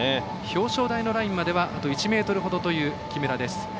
表彰台のラインまではあと１ｍほどという木村です。